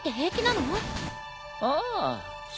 ああ。